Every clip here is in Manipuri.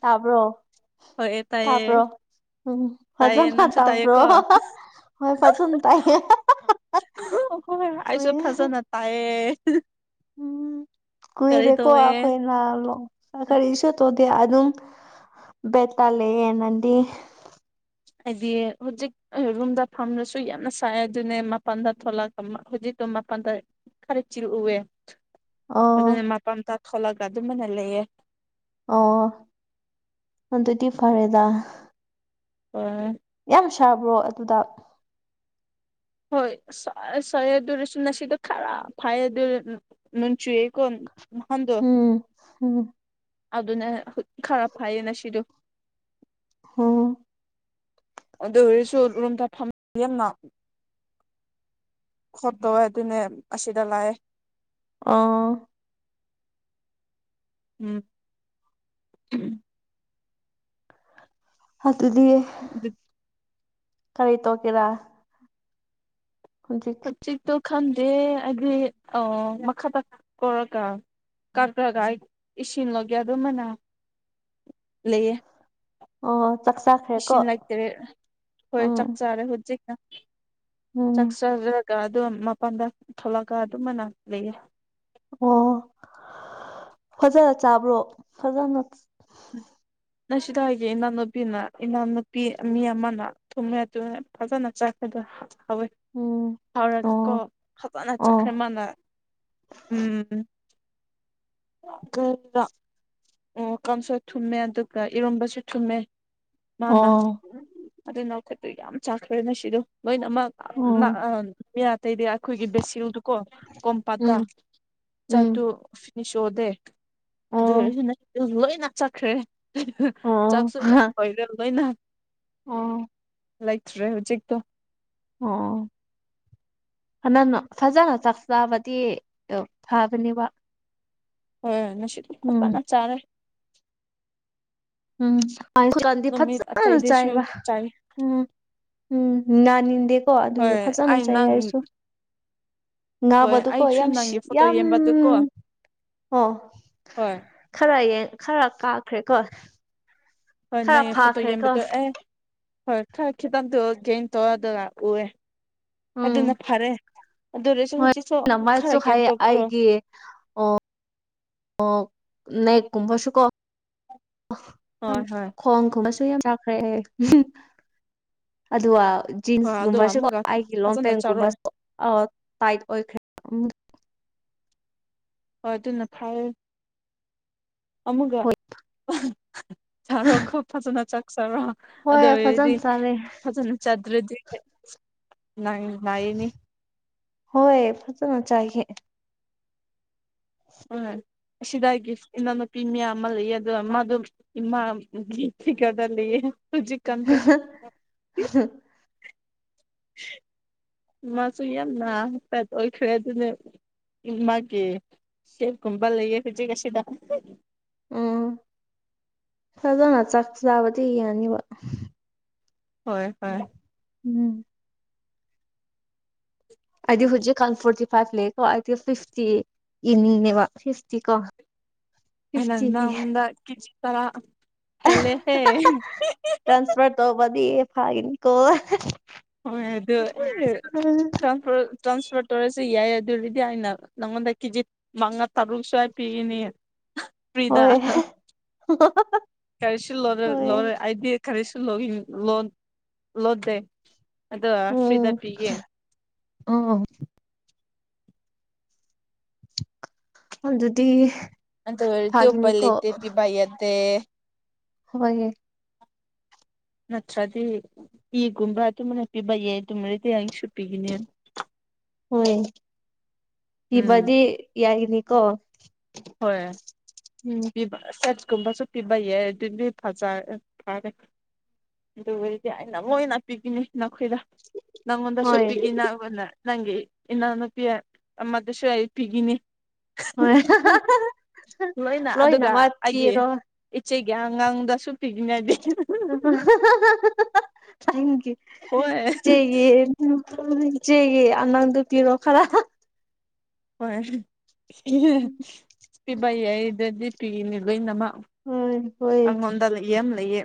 ꯇꯥꯕ꯭ꯔꯣ ꯍꯣꯏ ꯇꯥꯕ꯭ꯔꯣ? ꯇꯥꯏꯌꯦ ꯎꯝ ꯇꯥꯏꯌꯦ ꯐꯖꯅ ꯅꯪꯁꯨ ꯇꯥꯕ꯭ꯔꯣ ꯇꯥꯏꯌꯦꯀꯣ ꯍꯣꯏ ꯐꯖꯅ ꯇꯥꯏꯌꯦ꯫ ꯍꯣꯏ ꯀꯨꯏ ꯑꯩꯁꯨ ꯐꯖꯅ ꯇꯥꯏꯌꯦ꯫ ꯎꯝ ꯀꯔꯤ ꯀꯨꯏꯔꯦꯀꯣ ꯇꯧꯋꯦ ꯑꯈꯣꯏꯅ ꯂꯣ ꯀꯔꯤꯁꯨ ꯇꯣꯗꯦ ꯑꯗꯨꯝ ꯕꯦꯠꯇꯜ ꯂꯩꯌꯦ ꯅꯪꯗꯤ? ꯑꯩꯗꯤ ꯍꯨꯖꯤꯛ ꯔꯨꯝꯗ ꯐꯝꯔꯁꯨ ꯌꯥꯝꯅ ꯁꯥꯏ ꯑꯗꯨꯅꯦ ꯃꯄꯜꯗ ꯊꯣꯛꯂꯛ ꯍꯧꯖꯤꯛꯇꯣ ꯃꯄꯜꯗ ꯈꯔ ꯆꯤꯔꯎꯑꯦ ꯑꯣ ꯑꯗꯨꯅ ꯃꯄꯥꯟꯗ ꯊꯣꯛꯂꯒ ꯑꯗꯨꯝꯕꯅ ꯂꯩꯌꯦ꯫ ꯑꯣ ꯑꯗꯨꯗꯤ ꯐꯔꯦꯗ꯫ [unintelligible] ꯌꯥꯝ ꯁꯥꯕ꯭ꯔꯣ ꯑꯗꯨꯗ꯫ ꯍꯣꯏ ꯁꯔꯦ ꯁꯥꯏꯌꯦ ꯑꯗꯨꯔꯁꯨ ꯉꯁꯤꯗꯣ ꯈꯔ ꯐꯩ ꯑꯗꯨ ꯅꯣꯡ ꯆꯨꯌꯦꯀꯣ? ꯃꯐꯝꯗꯣ ꯎꯝ ꯎꯝ ꯑꯗꯨꯅ ꯈꯔ ꯐꯩꯌꯦ ꯉꯁꯤꯗꯣ꯫ ꯍꯣ꯫ ꯑꯗꯨ ꯑꯣꯏꯔꯁꯨ ꯔꯨꯝꯗ ꯐꯝꯗꯤ ꯌꯥꯝꯅ ꯍꯣꯠ ꯇꯧꯋꯦ ꯑꯗꯨꯅꯦ ꯑꯁꯤꯗ ꯂꯥꯛꯑꯦ꯫ ꯑꯣ꯫ ꯎꯝ꯫ ꯍꯥ ꯑꯗꯨꯗꯤ ꯎꯝ [unintelligible] ꯀꯔꯤ ꯇꯧꯒꯦꯔꯥ? ꯍꯧꯖꯤꯛ ꯆꯤꯛꯇꯣ ꯈꯟꯗꯦ ꯍꯥꯏꯗꯤ ꯑ ꯃꯈꯥꯇ ꯀꯧꯔꯒ ꯀꯛꯀꯒ ꯏꯁꯤꯡꯂꯧꯒꯦ ꯑꯗꯨꯝꯃꯥꯏꯅ ꯂꯩꯌꯦ꯫ ꯑꯣ ꯆꯥꯛ ꯆꯥꯥꯛ꯫ ꯏꯁꯤꯡ ꯂꯩꯇ꯭ꯔꯦ ꯍꯣꯏ ꯆꯥꯛ ꯆꯥꯔꯦ ꯍꯧꯖꯤꯛ꯫ ꯎꯝ ꯆꯥꯛꯆꯔꯒ ꯑꯗꯨꯝ ꯃꯄꯜꯗ ꯊꯣꯛꯂꯛꯒ ꯑꯗꯨꯝꯕꯅ ꯂꯩꯌꯦ꯫ ꯑꯣ ꯐꯖꯅ ꯆꯥꯕ꯭ꯔꯣ ꯐꯖꯅ [inaudible] ꯅ ꯁꯤꯗ [unintelligible] ꯏꯅꯥꯎꯅꯨꯄꯤꯅ ꯏꯅꯥꯎꯅꯨꯄꯤ ꯃꯤ ꯑꯃꯅ ꯊꯣꯡꯉꯦ ꯑꯗꯨ ꯐꯖꯅ ꯆꯥꯈ꯭ꯔꯦꯗ꯫ ꯍꯥꯎꯋꯦ ꯎꯝ ꯍꯧꯔꯒ ꯑꯣ ꯀꯣ ꯐꯖꯅ ꯆꯠꯈ꯭ꯔꯦ ꯑꯣ ꯃꯥꯅ ꯎꯝ [unintelligible] ꯑꯣ ꯀꯝꯁꯨ ꯊꯨꯝꯃꯦ ꯑꯗꯨꯒ ꯏꯔꯣꯝꯕꯁꯨ ꯊꯨꯝꯃꯦ ꯃꯥꯅ ꯑꯣ ꯑꯗꯨ ꯈꯨꯠꯇꯣ ꯌꯥꯝ ꯆꯥꯈ꯭ꯔꯦ ꯉꯁꯤꯗꯣ ꯂꯣꯏꯅꯃꯛ ꯑ ꯎꯝ ꯃꯤ ꯑꯇꯩꯗꯤ ꯑꯩꯈꯣꯏꯒꯤ ꯕꯦꯁꯤꯜꯗꯨꯀꯣ ꯀꯣꯝꯄꯥꯇꯥ ꯎꯝ ꯎꯝ ꯆꯠꯇꯨ ꯐꯤꯅꯤꯁ ꯑꯣꯗꯦ ꯑꯗꯨ ꯑꯣ ꯑꯣꯏꯔꯁꯨ ꯅ ꯂꯣꯏꯅꯥ ꯆꯠꯈ꯭ꯔꯦ ꯑꯣ ꯆꯥꯛꯁꯨ ꯌꯥꯝ ꯂꯣꯏꯔꯦ ꯂꯣꯏꯅ ꯑ ꯂꯩꯇ꯭ꯔꯦ ꯍꯧꯖꯤꯛꯛꯇꯨ ꯑꯣ ꯐꯖꯥꯅ ꯆꯥꯛ ꯆꯥꯕꯗꯤ ꯐꯕꯅꯦꯕꯥ ꯍꯣꯏ ꯉꯁꯤꯗꯣ ꯐꯖꯅ ꯆꯥꯔꯦ ꯎꯝ ꯍꯧꯖꯤꯛ ꯀꯥꯟꯗꯤ ꯅꯨꯃꯤꯠ ꯐꯖꯅ ꯑꯇꯩꯗꯁꯨ ꯆꯥꯏꯑꯦꯕ ꯆꯥꯏ ꯎꯝ ꯎꯝ ꯅꯥꯅꯤꯡꯗꯦꯀꯣ ꯑꯗꯨꯒꯤ ꯍꯣꯏ ꯐꯖꯅ ꯑꯩ ꯆꯥꯏꯌꯦ ꯅꯪ ꯑꯩꯁꯨ ꯍꯣꯏ ꯅꯥꯕꯗꯨꯨꯀꯣ ꯑꯩꯁꯨ ꯌꯥꯝ ꯁꯤ ꯅꯪꯒꯤ ꯐꯣꯇꯣ ꯌꯥꯝ ꯌꯦꯡꯕꯗꯨꯀꯣ ꯀꯣ ꯍꯣꯏ ꯈꯔ ꯌꯦ ꯈꯔ ꯀꯥꯈ꯭ꯔꯦꯀꯣ ꯍꯣꯏ ꯈꯔ ꯅꯪꯒꯤ ꯐꯣꯇꯣ ꯐꯥꯈ꯭ꯔꯦꯀꯣ ꯌꯦꯟꯕꯗꯣ ꯑꯦ ꯍꯣꯏ ꯈꯔ ꯈꯤꯇꯪꯗꯣ ꯒꯦꯡ ꯇꯧꯋꯦ ꯑꯗꯨꯒ ꯎꯑꯦ ꯎꯝ ꯑꯗꯨꯅꯥ ꯐꯔꯦ ꯑꯗꯨꯑꯣꯏꯔꯁꯨ ꯍꯧꯖꯤꯛꯁꯨ ꯈꯔ ꯒꯦꯟ ꯇꯧꯄꯗꯨ ꯑꯦ ꯑꯣ ꯅꯦꯛ ꯀꯨꯨꯝꯕꯁꯨ ꯀꯣ ꯍꯣꯏ ꯍꯣꯏ ꯈꯣꯡꯒꯨꯝꯕꯁꯨ ꯌꯥꯝ ꯆꯥꯈ꯭ꯔꯦ ꯍꯥꯏꯌꯦ ꯑꯗꯨꯒꯥ ꯍꯣꯏ ꯑꯗꯣ ꯖꯤꯟꯁꯀꯨꯝꯕꯁꯨꯀꯣ ꯑꯃꯨꯛꯒ ꯑꯩꯒꯤ ꯐꯖꯅ ꯆꯥꯔꯣ ꯂꯣꯡꯄꯦꯟꯒꯨꯝꯕꯁꯨ ꯑꯣ ꯇꯥꯏꯠ ꯑꯣꯏꯈ꯭ꯔꯦ ꯍꯣꯏ ꯑꯗꯨꯅ ꯐꯔꯦ ꯑꯃꯨꯛꯒ ꯍꯣꯏ ꯆꯥꯔꯣꯀꯣ ꯐꯖꯅ ꯆꯥꯛ ꯆꯥꯔꯣ ꯍꯣꯏ ꯑꯗꯨꯑꯣꯏꯔ ꯐꯖꯅ ꯆꯥꯔꯦ ꯐꯖꯅ ꯆꯗ꯭ꯔꯥꯗꯤ ꯍꯣꯏ ꯅꯥꯏ ꯅꯥꯏꯌꯦꯅꯦ ꯍꯣꯏ ꯐꯖꯅ ꯆꯥꯏꯍꯦ ꯍꯣꯏ ꯑꯁꯤꯗꯒꯤ ꯏꯅꯥꯎ ꯅꯨꯄꯤ ꯃꯌꯥꯝ ꯑꯃꯥ ꯂꯩꯌꯦ ꯑꯗꯨ ꯃꯥꯗꯨ ꯏꯃꯥ ꯁꯤ ꯈꯇꯥ ꯂꯩꯌꯦ ꯍꯧꯖꯤꯛ ꯍꯥꯍꯥ ꯑꯍꯥ ꯃꯥꯁꯨ ꯌꯥꯝꯅꯥ ꯐꯦꯠ ꯑꯣꯏꯈ꯭ꯔꯦ ꯑꯗꯨꯅꯦ ꯏꯃꯥꯀꯤ ꯁꯦꯞꯀꯨꯝꯕ ꯂꯩꯌꯦ ꯍꯧꯖꯤꯛ ꯑꯁꯤꯗꯥ ꯎꯝ ꯐꯖꯅ ꯆꯥꯛ ꯆꯥꯕꯗꯤ ꯌꯥꯅꯤꯕ ꯍꯣꯏ ꯍꯣꯏ ꯎꯝ ꯑꯩꯗꯤ ꯍꯧꯖꯤꯛꯀꯥꯟ ꯐꯣꯔꯇꯤ ꯐꯥꯏꯚ ꯂꯩꯌꯦꯀꯣ ꯑꯩꯗꯤ ꯐꯤꯐꯇꯤ ꯏꯅꯤꯅꯦꯕ ꯐꯤꯐꯇꯤ ꯀꯣ [inaudible] ꯑꯩꯅ ꯅꯪꯗꯥ ꯀꯦꯖꯤ ꯇꯔꯥ ‍ꯍꯦꯜꯂꯦꯍꯦ ꯇ꯭ꯔꯥꯟꯁꯐꯔ ꯇꯧꯕꯥꯗꯤ ꯐꯥꯒꯤꯅꯤ ꯀꯣ ꯍꯣꯏ ꯑꯗꯨ ꯑꯩꯅꯥ ꯇ꯭ꯔꯥꯐꯔꯠ ꯇ꯭ꯔꯥꯟꯁꯐꯔ ꯇꯧꯔꯁꯨ ꯌꯥꯏ ꯑꯗꯨꯕꯨꯗꯤ ꯑꯥꯏꯅ ꯅꯪꯉꯣꯟꯗꯥ ꯀꯦꯖꯤ ꯃꯪꯉꯥ ꯇꯥꯔꯨꯛꯁꯨ ꯑꯩ ꯄꯤꯒꯅꯤ ꯐꯔꯤꯗꯥ ꯍꯣꯏ ꯀꯔꯤꯁꯨ ꯂꯧꯔꯣꯏ ꯍꯣꯏ ꯂꯧꯔꯣꯏ ꯑꯩꯗꯤ ꯀꯔꯤꯁꯨ ꯂꯣꯏ ꯂꯣꯟ ꯂꯣꯗꯦ ꯑꯗꯣ ꯎꯝ ꯐ꯭ꯔꯤꯗ ꯄꯤꯒꯦ ꯎꯝ ꯑꯥꯗꯨꯗꯤ ꯑꯗꯨ ꯑꯣꯏꯔꯥꯗꯤ ꯎꯄꯥꯏ ꯂꯩꯇꯦ ꯄꯤꯕꯥ ꯌꯥꯗꯦ ꯍꯣꯏꯍꯦ ꯅꯠꯇ꯭ꯔꯥꯗꯤ ꯏ ꯒꯨꯝꯕ ꯑꯗꯨꯝꯍꯥꯏꯅꯥ ꯄꯤꯕ ꯌꯥꯏ ꯑꯗꯨꯃꯥꯗꯤ ꯑꯩꯁꯨ ꯄꯤꯒꯅꯤ ꯍꯣꯏ ꯎꯝ ꯄꯤꯕꯗꯤ ꯌꯥꯒꯤꯅꯤꯀꯣ ꯍꯣꯏ ꯎꯝ ꯄꯤꯕꯥ ꯁꯦꯛ ꯀꯨꯨꯝꯕꯥꯁꯨ ꯄꯤꯕꯥꯌꯥꯏ ꯑꯗꯨꯗꯤ ꯐꯖꯥ ꯐꯔꯦ ꯑꯗꯨ ꯑꯣꯏꯔꯥꯗꯤ ꯑꯩꯅꯥ ꯑꯃꯨꯛ ꯍꯦꯟꯅꯥ ꯄꯤꯕꯤꯅꯤ ꯅꯥꯈꯣꯏꯗꯥ ꯅꯪꯉꯣꯟꯗꯥꯁꯨ ꯍꯣꯏ ꯄꯤꯒꯤꯅꯥ ꯅꯪꯒꯤ ꯏꯅꯥꯎꯅꯨꯄꯤ ꯑꯃꯥꯗꯁꯨ ꯑꯩ ꯄꯤꯒꯤꯅꯤ ꯍꯣꯏ ꯂꯣꯏꯅ ꯑꯗꯨꯒ ꯂꯣꯏꯅꯥꯃꯛ ꯑꯩꯒꯤ ꯄꯤꯔꯣ ꯏꯆꯦꯒꯤ ꯑꯉꯥꯡꯗꯥꯁꯨꯨ ꯄꯤꯒꯅꯤ ꯑꯩꯗꯤ ꯍꯣꯏ ꯏꯆꯦꯒꯤ ꯏꯆꯦꯒꯤ ꯑꯉꯥꯡꯗꯥ ꯄꯤꯔꯣ ꯈꯔꯥ ꯍꯣꯏ [unintelligible] ꯄꯤꯕ ꯌꯥꯏꯔꯗꯗꯤ ꯄꯤꯒꯅꯤ ꯂꯣꯏꯅꯃꯛ ꯍꯣꯏ ꯍꯣꯏ ꯑꯩꯉꯣꯟꯗ ꯂꯩꯌꯦ ꯌꯥꯝ ꯂꯩꯌꯦ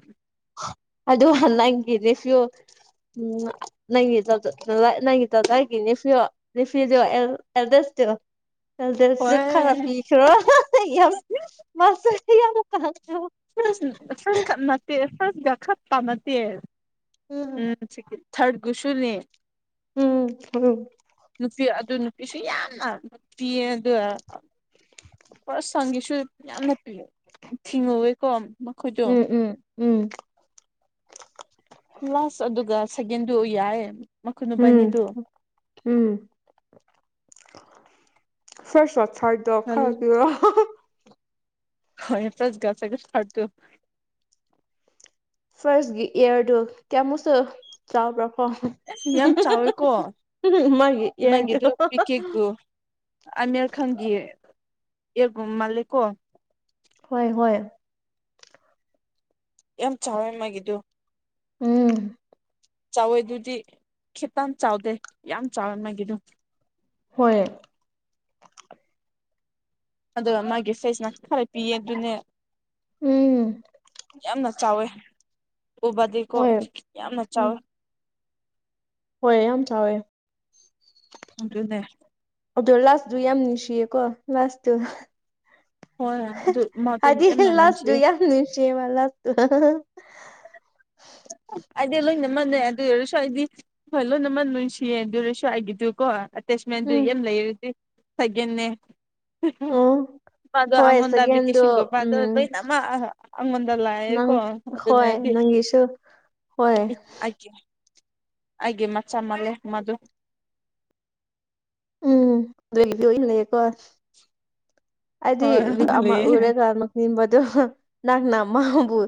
ꯑꯗꯨ ꯍꯜ ꯅꯪꯒꯤꯗꯁꯨ ꯎꯝ ꯅꯪꯒꯤ ꯗ ꯗ ꯅꯥꯒꯤ ꯗ ꯗꯒꯤ ꯅꯦꯠꯐꯤꯎ ꯅꯦꯠꯐꯤꯎꯗꯣ ꯑꯦꯜ ꯑꯦꯜꯗꯁ ꯇꯣ ꯑꯦꯜꯗꯦꯁꯨ ꯈꯥꯔ ꯍꯣꯏ ꯄꯤ ꯈ꯭ꯔꯣ ꯍꯥ ꯍꯥ ꯍꯥ ꯌꯝ ꯃꯁꯨ ꯐꯁ ꯐꯁ ꯈꯠ ꯅꯠꯇꯦ ꯐꯁꯀ ꯈꯠꯇꯥ ꯅꯠꯇꯦ ꯎꯝ ꯊꯠ ꯒꯨꯁꯨꯅꯦ ꯎꯝ ꯎꯝ ꯅꯨꯄꯤ ꯑꯗꯨ ꯅꯨꯄꯤꯁꯨ ꯌꯥꯝꯅ ꯄꯤꯌꯦꯑꯗꯨ ꯄꯨꯔ ꯁꯪꯒꯤꯁꯨ ꯌꯥꯝꯅ ꯊꯤꯡꯍꯧꯋꯦꯀꯣ ꯃꯈꯣꯏꯗꯣ ꯎꯝ ꯎꯝ ꯎꯝ ꯂꯥꯁ ꯑꯗꯨꯒ ꯁꯦꯀꯦꯟꯗꯨ ꯌꯥꯏ ꯃꯈꯣꯏ ꯎꯝ ꯃꯕꯥꯅꯤꯗꯨ ꯎꯝ ꯐꯥꯔꯁ ꯁ ꯊꯥꯔꯠ ꯗꫭ ꯈꯥ ꯍꯣꯏ ꯄꯤꯔꯣ ꯍꯣꯏ ꯐꯁꯒ ꯁꯒꯁ ꯁꯥꯔ ꯇꯣ ꯐꯥꯔꯁꯒꯤ ꯏꯌꯥꯔꯗꯨ ꯀꯌꯥꯃꯨꯛꯁꯨ ꯆꯥꯎꯕ꯭ꯔꯥꯈꯣ ꯌꯥꯝ ꯆꯥꯎꯋꯦꯀꯣ ꯃꯥꯒꯤ ꯏꯌꯥꯔꯗꯨ ꯅꯪꯒꯤꯗꯨ ꯄꯤ ꯀꯦꯛꯀꯨ ꯑꯅꯦꯔ ꯈꯪꯗꯤꯌꯦ ꯌꯦꯛꯒꯨꯝ ꯃꯥꯜꯂꯦꯀꯣ ꯍꯣꯏ ꯍꯣꯏ ꯌꯥꯝ ꯆꯥꯎꯋꯦ ꯃꯥꯒꯤꯗꯨ ꯎꯝ ꯆꯥꯎꯋꯦꯗꯨꯗꯤ ꯈꯤꯇꯪ ꯆꯥꯎꯗꯦ ꯌꯥꯝ ꯆꯥꯎꯋꯦ ꯃꯥꯒꯤꯗꯨ ꯍꯣꯏ ꯑꯗꯨꯒ ꯃꯥꯒꯤ ꯐꯦꯁꯅ ꯈꯔ ꯄꯤꯌꯦ ꯑꯗꯨꯅꯦ ꯎꯝ ꯌꯥꯝꯅ ꯆꯥꯎꯋꯦ ꯎꯕꯗꯤꯀꯣ ꯍꯣꯏ ꯌꯥꯝꯅ ꯎꯝ ꯆꯥꯎꯋꯤ ꯍꯣꯏ ꯌꯥꯝ ꯆꯥꯎꯋꯦ ꯑꯗꯨꯅꯦ ꯑꯗꯨ ꯂꯥꯁꯗꯨ ꯌꯥꯝ ꯅꯨꯡꯁꯤꯌꯦꯀꯣ ꯂꯁꯇꯨ ꯍꯣꯏ ꯑꯗꯨ ꯃꯥꯗꯨ ꯍꯥꯏꯗꯤ ꯌꯥꯝꯅ ꯂꯥꯁꯗꯨ ꯅꯨꯡꯁꯤꯌꯦ ꯌꯥꯝ ꯅꯨꯡꯁꯤꯌꯦ ꯕꯥ ꯂꯥꯁꯇꯨ ꯑꯩꯗꯤ ꯂꯣꯏꯅ ꯃꯛꯅꯩ ꯑꯗꯨ ꯑꯣꯏꯔꯁꯨ ꯑꯩꯗꯤ ꯍꯣꯏ ꯂꯣꯏꯅꯃꯛ ꯅꯨꯡꯟꯁꯤꯌꯦ ꯑꯗꯨ ꯑꯣꯏꯔꯁꯨꯀꯣ ꯑꯩꯒꯤꯗꯨꯀꯣ ꯇꯦꯁꯃꯦꯟꯗꯨ ꯎꯝ ꯌꯥꯝ ꯂꯩꯔꯗꯤ [inaudible] ꯑꯣ ꯃꯥꯗꯣ ꯍꯣꯏ ꯑꯉꯣꯟꯗ [inaudible] ꯁꯦꯀꯦꯟꯗꯣ ꯎꯝ ꯂꯣꯏꯅꯃꯛ ꯑꯉꯣꯟꯗ ꯂꯥꯛꯑꯦꯀꯣ ꯅꯪ ꯍꯣꯏ ꯑꯗꯨꯅꯗꯤ [unintelligible] ꯍꯣꯏ ꯑꯩꯒꯤ ꯑꯩꯒꯤ ꯃꯆꯥ ꯃꯜꯂꯦ ꯃꯥꯗꯨ ꯎꯝ [inaudible] ꯑꯩꯗꯤ ꯍꯣꯏ ꯋꯤꯛ ꯍꯣꯏ ꯑꯃ ꯂꯩꯌꯦ ꯎꯔꯒ ꯑꯃꯨꯛ ꯅꯤꯟꯕꯗꯣ ꯅꯪꯅ ꯃꯥꯕꯨ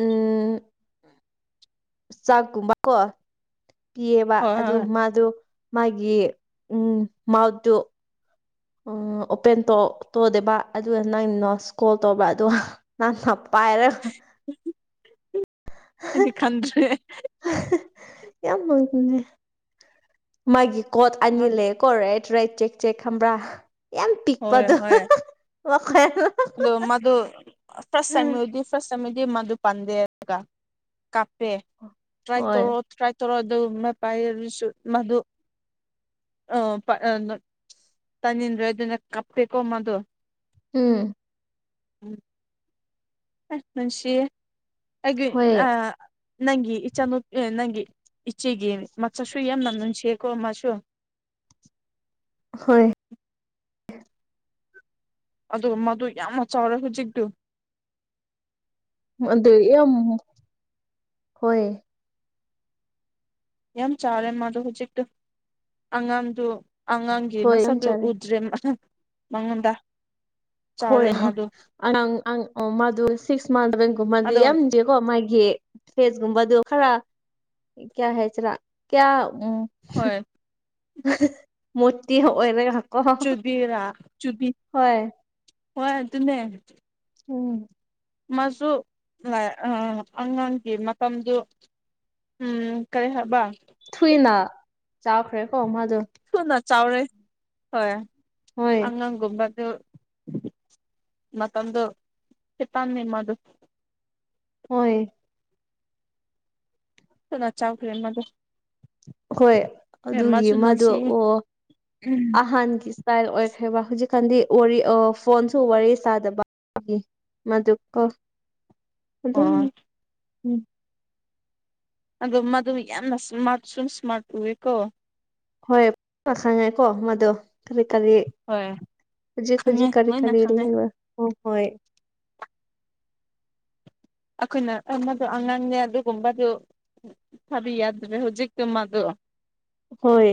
ꯎꯝ ꯆꯥꯛꯀꯨꯝꯕ ꯀꯣ ꯄꯤꯌꯦꯕ ꯍꯣꯏ ꯑꯗꯨ ꯍꯣꯏ ꯃꯥꯗꯣ ꯃꯥꯒꯤ ꯎꯝ ꯃꯥꯎꯠꯇꯣ ꯑꯣꯄꯦꯟ ꯇꯣ ꯇꯧꯗꯦꯕ ꯑꯗꯨꯒ ꯅꯪ ꯅꯣꯁꯀꯣꯜ ꯇꯧꯕ ꯑꯗꯨ [unintelligible] ꯑꯩꯗꯤ ꯈꯪꯗ꯭ꯔꯦ ꯌꯥꯝ [unintelligible] ꯃꯥꯒꯤ ꯀꯣꯗ ꯑꯅꯤ ꯂꯩꯌꯦ ꯀꯣ ꯔꯥꯏꯠ ꯔꯥꯏꯠ ꯆꯦꯛ ꯆꯦꯛ ꯈꯪꯕ꯭ꯔꯥ ꯌꯥꯝ ꯍꯣꯏ ꯄꯤꯛꯄꯗꯣ [inaudible] ꯍꯣꯏ ꯑꯗꯣ ꯃꯥꯗꯣ ꯐꯥꯔꯁ [inaudible] ꯃꯥꯗꯨ ꯄꯥꯟꯗꯦꯔꯒ ꯀꯥꯞꯄꯦ ꯇ꯭ꯔꯥꯏ ꯍꯣꯏ ꯇꯧꯔꯣ ꯇ꯭ꯔꯥꯏ ꯇꯧꯔꯣ ꯑꯗꯨꯒꯨꯝꯕ [inaudible] ꯃꯗꯨ ꯑꯣ [inaudible] ꯇꯥꯅꯤꯡꯗ꯭ꯔꯗꯅ ꯀꯞꯄꯦꯀꯣ ꯃꯥꯗꯨ ꯎꯝ ꯎꯝ ꯅꯨꯡꯁꯤꯌꯦ ꯑꯩꯒꯤ ꯍꯣꯏ ꯑ ꯅꯪꯒꯤ ꯏꯆꯥꯅꯨꯄꯤ ꯅꯪꯒꯤ ꯏꯆꯦꯒꯤ ꯃꯆꯥꯁꯨ ꯌꯥꯝꯅ ꯅꯨꯡꯁꯤꯌꯦꯀꯣ ꯃꯥꯁꯨ ꯍꯣꯏ ꯑꯗꯨꯒ ꯃꯥꯗꯨ ꯌꯥꯝꯅ ꯆꯥꯎꯔꯦ ꯍꯧꯖꯤꯛꯇꯨ [inaudible] ꯍꯣꯏ ꯌꯥꯝ ꯆꯥꯎꯔꯦ ꯃꯥꯗꯣ ꯍꯧꯖꯤꯛꯇ ꯑꯉꯥꯡꯗꯨ ꯑꯉꯥꯡ ꯒꯤ ꯍꯣꯏ ꯌꯥꯝ ꯃꯁꯛꯗꯨ ꯆꯥꯔꯦ ꯎꯗ꯭ꯔꯦ ꯃꯉꯣꯟꯗ ꯆꯥꯎꯔꯦ ꯍꯣꯏ ꯃꯥꯗꯣ [inaudible] ꯃꯥꯗꯨ ꯁꯤꯛꯁ ꯃꯟꯠ ꯁꯦꯚꯦꯟꯒꯨꯝꯕꯗꯤ ꯑꯗꯣ ꯌꯥꯝ [inaudible] ꯀꯣ ꯃꯥꯒꯤ ꯐꯦꯁꯀꯨꯝꯕꯗꯣ ꯈꯔ ꯀꯌꯥ ꯍꯥꯏꯁꯤꯔꯥ ꯀꯌꯥ ꯎꯝ ꯍꯣꯏ ꯃꯣꯇꯤ ꯑꯣꯏꯍꯜꯂꯒ ꯍꯪꯑꯣ ꯆꯨꯕꯤꯔꯥ ꯆꯨꯕꯤ ꯍꯣꯏ ꯍꯣꯏ ꯑꯗꯨꯅꯦ ꯎꯝ ꯃꯥꯖꯨ [inaudible] ꯑꯉꯥꯡꯒꯤ ꯃꯇꯝꯗꯨ ꯎꯝ ꯀꯩ ꯍꯥꯏꯕ ꯊꯨꯏꯅ ꯆꯥꯎꯈ꯭ꯔꯦꯀꯣ ꯃꯥꯗꯣ ꯊꯨꯅ ꯆꯥꯎꯔꯦ ꯍꯣꯏ ꯍꯣꯏ ꯑꯉꯥꯡ ꯒꯨꯝꯕꯗꯨ ꯃꯇꯝꯗꯨ ꯍꯤꯞꯄꯝꯃꯦ ꯃꯥꯗꯣ ꯍꯣꯏ ꯊꯨꯅ ꯆꯥꯎꯈ꯭ꯔꯦ ꯃꯥꯗꯨ ꯍꯣꯏ ꯑꯗꯨꯒꯤ ꯃꯥꯗꯣ ꯑꯣ ꯑꯣ ꯑꯍꯟꯒꯤ [inaudible] ꯑꯣꯏꯈ꯭ꯔꯦꯕ ꯍꯧꯖꯤꯛ ꯀꯥꯟꯗꯤ ꯋꯥꯔꯤ ꯑ ꯐꯣꯟꯁꯨ ꯋꯥꯔꯤ ꯁꯥꯗꯕ ꯑꯗꯨꯒꯤ ꯃꯗꯨꯀꯣ ꯑꯗꯨꯝ ꯑꯣ ꯎꯝ ꯑꯗꯨ ꯃꯗꯨ ꯌꯥꯝꯅ ꯁꯃꯥꯔꯠ ꯁꯨꯝ ꯁꯃꯥꯔꯠ ꯑꯣꯢꯌꯦꯀꯣ ꯍꯣꯏ ꯄꯥꯈꯪꯉꯦꯀꯣ ꯃꯗꯣ ꯀꯔꯤ ꯀꯔꯤ ꯍꯣꯏ ꯍꯧꯖꯤꯛ ꯈꯪꯉꯦ ꯍꯧꯖꯤꯛ ꯀꯔꯤ ꯂꯣꯏꯅ ꯀꯔꯤ ꯈꯪꯉꯦ ꯂꯩꯕ ꯍꯣꯏ ꯍꯣꯏ ꯑꯩꯈꯣꯏꯅ ꯃꯗꯣ ꯑꯉꯥꯡꯅꯦ ꯑꯗꯨꯒꯨꯝꯕꯗꯨ ꯊꯥꯕꯤ ꯌꯥꯗ꯭ꯔꯦ ꯍꯧꯖꯤꯛꯇꯨ ꯃꯥꯗꯨ ꯍꯣꯏ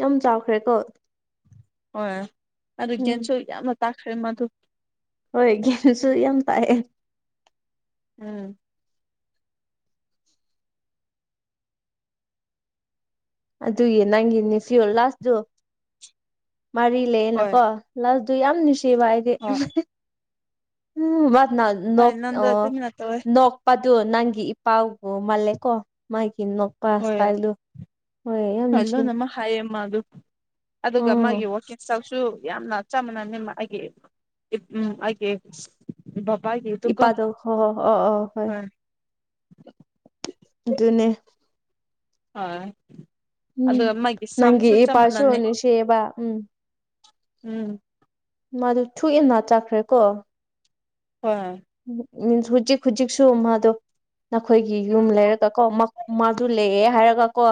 ꯌꯥꯝ ꯆꯥꯎꯈ꯭ꯔꯦꯀꯣ ꯍꯣꯏ ꯑꯗꯨ ꯎꯝ ꯒꯦꯟꯁꯨ ꯌꯥꯝꯅ ꯇꯥꯛꯈ꯭ꯔꯦ ꯃꯗꯨ ꯍꯣꯏ ꯒ꯭ꯌꯥꯟꯁꯨ ꯌꯥꯝ ꯇꯥꯏꯑꯦ ꯎꯝ ꯑꯗꯨꯒꯤ ꯅꯪꯒꯤꯅꯦ ꯐꯤꯌꯣꯜ ꯂꯥꯁꯇꯨ ꯃꯔꯤ ꯍꯣꯏ ꯂꯩꯌꯦꯅꯀꯣ ꯂꯥꯁꯇꯣ ꯌꯥꯝ ꯅꯨꯡꯁꯤꯕ ꯑꯩꯗꯤ ꯍꯣꯏ ꯎꯝ ꯋꯥꯅ ꯍꯣꯏ ꯅꯣꯛ ꯅꯪꯗꯣ ꯑꯥ ꯑꯗꯨꯝꯅ ꯇꯧꯋꯦ ꯅꯣꯛ ꯄꯥꯗꯨ ꯅꯪꯒꯤ ꯏꯄꯥꯥꯎꯕꯨ ꯃꯥꯜꯂꯦꯀꯣ ꯃꯥꯒꯤ ꯅꯣꯛ ꯄꯥꯁ ꯍꯣꯏ ꯇꯥꯏꯜꯗꯨ ꯍꯣꯏ ꯌꯥꯝ ꯅꯨꯡꯁꯤ ꯍꯥꯏ ꯃꯗꯨ ꯑꯗꯨꯒ ꯃꯥꯒꯤ ꯎꯝ ꯋꯥꯀꯤꯡ ꯏꯁꯇꯥꯜ ꯁꯨ ꯌꯥꯝꯅ ꯆꯞ ꯃꯥꯟꯅꯅ ꯑꯩꯒꯤ ꯎꯝ ꯑꯩꯒꯤ ꯕꯕꯥꯒꯤ ꯏꯄꯥꯗꯣ ꯍꯣ ꯍꯣ ꯑꯣ ꯑꯣ ꯍꯣꯏ ꯑꯗꯨꯅꯦ ꯍꯣꯏ ꯎꯝ ꯑꯗꯨꯒ ꯃꯥꯒꯤ ꯅꯪꯒꯤ ꯁꯝꯁꯨ ꯆꯞ ꯏꯄꯥꯁꯨ ꯃꯥꯟꯅꯅꯤ ꯅꯨꯡꯁꯤꯌꯦꯕ ꯎꯝ ꯎꯝ ꯃꯥꯗꯨ ꯊꯨꯏꯟꯅ ꯆꯠꯈ꯭ꯔꯦ ꯀꯣ ꯍꯣꯏ ꯃꯤꯟꯁ ꯍꯧꯖꯤꯛ ꯍꯧꯖꯤꯛ ꯁꯨ ꯃꯥꯗꯣ ꯅꯈꯣꯏꯒꯤ ꯌꯨꯝ ꯂꯩꯔꯒ ꯀꯣ ꯃꯥꯗꯨ ꯂꯩꯔꯦ ꯍꯥꯏꯔꯒ ꯀꯣ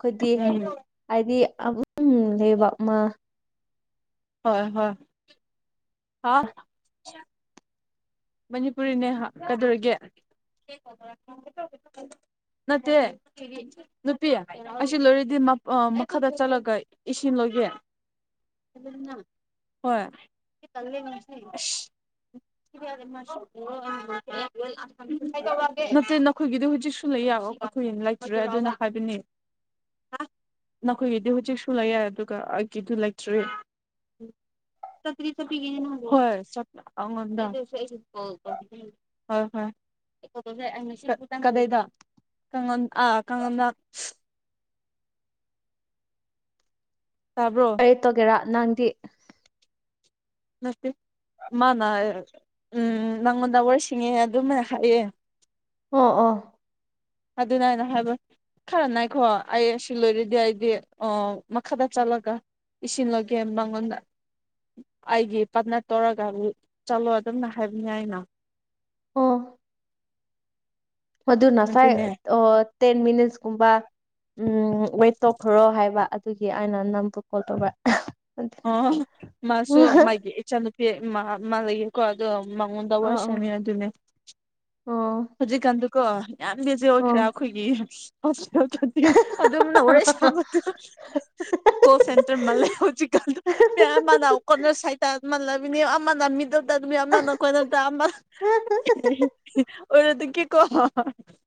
ꯈꯣꯏꯗꯤ ꯎꯝ ꯍꯥꯏꯗꯤ ꯑꯗꯨꯝ ꯂꯩꯕ ꯑꯃ ꯍꯣꯏ ꯍꯣꯏ ꯍꯥ ꯃꯅꯤꯄꯨꯔꯤꯅꯦ ꯍꯥ ꯀꯗꯧꯔꯤꯒꯦ ꯅꯠꯇꯦ ꯅꯨꯄꯤ ꯑꯁꯤ ꯂꯣꯏꯔꯗꯤ ꯑꯥ ꯃꯈꯥꯗ ꯆꯠꯂꯒ ꯏꯁꯤꯡ ꯂꯣꯏꯒꯦ ꯍꯣꯏ ꯏꯁ ꯅꯠꯇꯦ ꯅꯈꯣꯏꯒꯤꯗꯤ ꯍꯧꯖꯤꯛꯁꯨ ꯂꯩꯌꯦ ꯑꯩꯈꯣꯏ ꯂꯩ ꯇ꯭ꯔꯦ ꯑꯗꯨꯅ ꯍꯥꯏꯕꯅꯤ ꯅꯈꯣꯏꯒꯤꯗꯤ ꯍꯧꯖꯤꯛꯁꯨ ꯂꯩꯌꯦ ꯑꯗꯨꯒ ꯑꯩꯒꯤꯗꯨ ꯂꯩꯇ꯭ꯔꯤ [unintelligible] ꯍꯣꯏ ꯆꯞ ꯑꯩꯉꯣꯟꯗ [unintelligible] ꯍꯣꯏ ꯍꯣꯏ ꯀꯗꯥꯏꯗ ꯀꯥꯉꯟ ꯑꯥ ꯀꯉꯟꯗ [unintelligible] ꯇꯥꯕ꯭ꯔꯣ ꯀꯩ ꯇꯧꯒꯦꯔꯥ ꯅꯪꯗꯤ ꯅꯠꯇꯦ ꯃꯥꯅꯥ ꯍꯥꯏꯔꯒ ꯎꯝ ꯅꯪꯉꯣꯟꯗ ꯑꯣꯏꯔꯁꯤꯡꯉꯦ ꯑꯗꯨꯝ ꯍꯥꯏꯌꯦ ꯑꯣ ꯑꯣ ꯑꯗꯨꯅ ꯑꯩꯅ ꯍꯥꯏꯕ ꯈꯔ ꯅꯥꯏꯈꯣ ꯑꯩ ꯑꯁꯤ ꯂꯣꯏꯔꯗꯤ ꯑꯩꯗꯤ ꯑꯥ ꯃꯈꯥꯗ ꯆꯠꯂꯒ ꯏꯁꯤꯡꯂꯧꯒꯦ ꯃꯉꯣꯟꯗ ꯑꯩꯒꯤ ꯄꯥꯔ꯭ꯠꯅꯔ ꯇꯧꯔꯒ ꯆꯠꯂꯣ ꯑꯗꯨꯝꯅ ꯍꯥꯏꯕꯅꯤ ꯑꯩꯅ ꯃꯥꯗꯨ ꯅꯁꯥꯏ ꯑꯗꯨꯅꯦ ꯑꯣ ꯇꯦꯟ ꯃꯤꯅꯤꯠꯁ ꯀꯨꯝꯕ ꯎꯝ ꯋꯦꯠ ꯇꯧꯈ꯭ꯔꯣ ꯍꯥꯏꯕ ꯑꯗꯨꯒꯤ ꯑꯩꯅ ꯅꯕꯨ ꯀꯣꯜ ꯇꯧꯕ ꯑꯣ ꯃꯥꯁꯨ ꯃꯥꯏꯒꯤ ꯏꯆꯥꯅꯨꯄꯤ ꯃꯥ [unintelligible] ꯀꯣ ꯑꯗꯣ ꯃꯉꯣꯟꯗ ꯑ ꯋꯥꯔꯤ ꯑ ꯁꯥꯟꯅꯩ ꯑꯗꯨꯅꯦ ꯑꯣ ꯍꯧꯖꯤꯛꯀꯥꯟꯗꯨꯀꯣ ꯌꯥꯝ ꯕꯤꯖꯤ ꯑꯣꯏꯈ꯭ꯔꯦ ꯑꯣ ꯑꯩꯈꯣꯏꯒꯤ ꯍꯣꯁꯇꯦꯜ [unintelligible] ꯑꯗꯨꯝꯅ ꯋꯥꯔꯤ ꯁꯥꯕꯗ ꯀꯣꯜ ꯁꯦꯟꯇꯔ ꯃꯥꯜꯂꯦ ꯍꯧꯖꯤꯛꯇꯤ [unintelligible] ꯑꯃꯅ ꯀꯣꯔꯅꯔ ꯁꯥꯏꯇ ꯑꯃꯥ ꯂꯩꯒꯅꯤ ꯑꯃꯅ ꯃꯤꯗꯠ ꯇꯩꯕꯅꯦ ꯑꯃꯅꯥ ꯀꯣꯂꯦꯠꯇ ꯑꯃꯥ ꯑꯣꯏꯔꯗꯤꯀꯤꯀꯣ